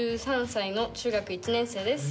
１３歳の中学１年生です。